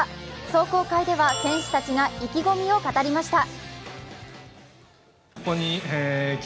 壮行会では選手たちが意気込みを語りました。